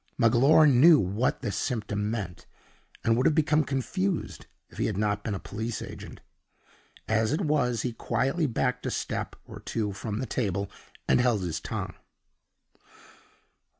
Magloire knew what this symptom meant, and would have become confused if he had not been a police agent. As it was, he quietly backed a step or two from the table, and held his tongue.